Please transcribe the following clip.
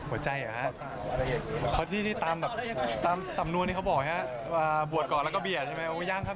หัวใจเหรอฮะเพราะที่ตามสำนวนที่เขาบอกฮะบวชก่อนแล้วก็เบียดใช่ไหม